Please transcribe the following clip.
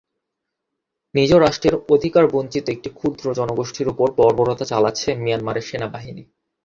নিজ রাষ্ট্রের অধিকারবঞ্চিত একটি ক্ষুদ্র জনগোষ্ঠীর ওপর বর্বরতা চলাচ্ছে মিয়ানমারের সেনাবাহিনী।